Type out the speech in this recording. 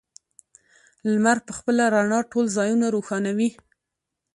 لمر په خپله رڼا ټول ځایونه روښانوي.